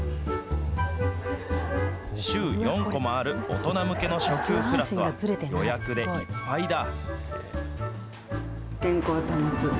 週４コマある大人向けの初級クラスは、予約でいっぱいだ。